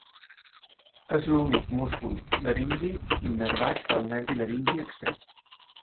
És l'únic múscul laringi innervat pel nervi laringi extern.